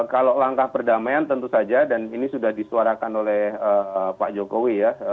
kalau langkah perdamaian tentu saja dan ini sudah disuarakan oleh pak jokowi ya